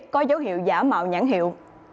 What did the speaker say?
có dấu hiệu giả mạo nhãn hiệu